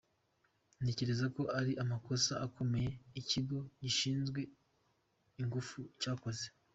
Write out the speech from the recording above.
Ntekereza ko ari amakosa akomeye Ikigo gishinzwe Ingufu cyakoze.